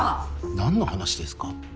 何の話ですか。